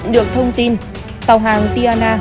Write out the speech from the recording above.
được thông tin tàu hàng tiana